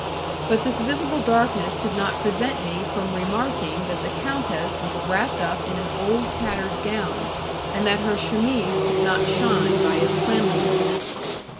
But this visible darkness did not prevent me from remarking that the countess was wrapped up in an old tattered gown, and that her chemise did not shine by its cleanliness.